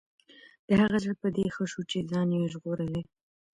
د هغه زړه په دې ښه شو چې ځان یې ژغورلی.